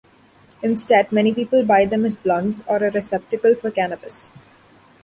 Instead, many people buy them as "blunts", or a receptacle for cannabis.